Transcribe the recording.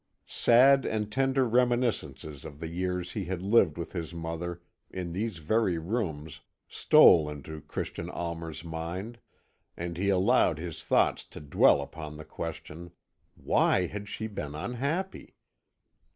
Sad and tender reminiscences of the years he had lived with his mother in these very rooms stole into Christian Almer's mind, and he allowed his thoughts to dwell upon the question, "Why had she been unhappy?"